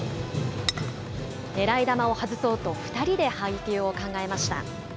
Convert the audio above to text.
狙い球をはずそうと、２人で配球を考えました。